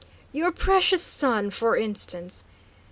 "Your precious son, for instance?"